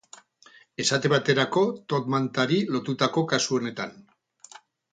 Esate baterako top mantari lotutako kasu honetan.